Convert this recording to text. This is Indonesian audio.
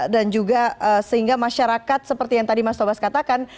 dan juga sehingga masyarakat seperti yang tadi mas tobas katakan